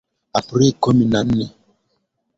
Aprili kumi na nne